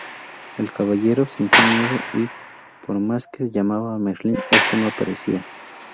El Caballero sintió miedo y, por más que llamaba a Merlín, este no aparecía.